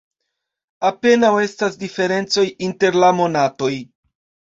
Apenaŭ estas diferencoj inter la monatoj.